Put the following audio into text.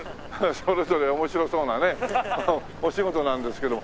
それぞれ面白そうなねお仕事なんですけど。